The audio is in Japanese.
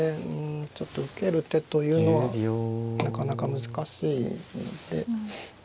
ちょっと受ける手というのはなかなか難しいので。